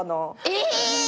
え！